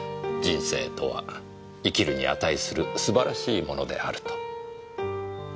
人生とは生きるに値する素晴らしいものであると。